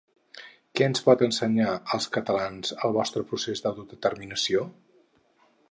Què ens pot ensenyar als catalans el vostre procés d’autodeterminació?